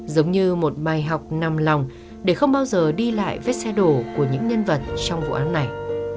giống như một bài học nằm lòng để không bao giờ đi lại vết xe đổ của những nhân vật trong vụ án này